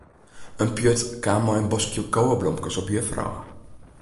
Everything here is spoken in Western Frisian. It pjut kaam mei in boskje koweblomkes op juffer ôf.